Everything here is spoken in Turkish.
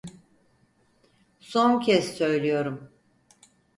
Son kez söylüyorum.